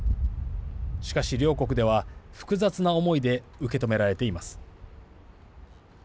しかし両国では複雑な思いで受け止められています。